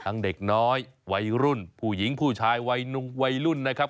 ทั้งเด็กน้อยวัยรุ่นผู้หญิงผู้ชายวัยหนุ่งวัยรุ่นนะครับ